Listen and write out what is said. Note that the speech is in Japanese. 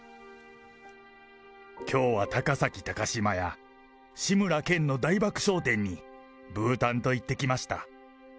きょうは高崎タカシマヤ志村けんの大爆笑展に、ブーたんと行ってきました。